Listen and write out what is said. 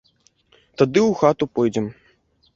Тады ў хату пойдзем.